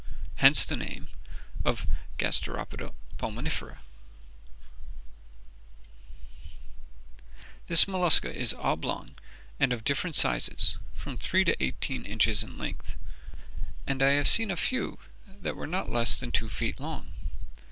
Hence the name of gasteropeda pulmonifera. "This mollusca is oblong, and of different sizes, from three to eighteen inches in length; and I have seen a few that were not less than two feet long.